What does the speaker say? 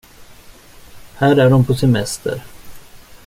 Här är hon på semester.